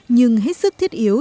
nhưng hết sức thiết yếu